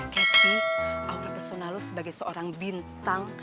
catty awal persona lu sebagai seorang bintang